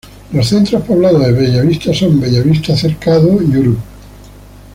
Los centros poblados de Bellavista son: Bellavista Cercado, Urb.